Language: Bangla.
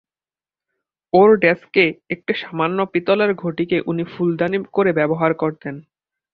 ওঁর ডেস্কে একটি সামান্য পিতলের ঘটিকে উনি ফুলদানি করে ব্যবহার করতেন।